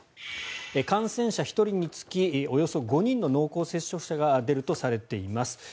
感染者１人につきおよそ５人の濃厚接触者が出るとされています。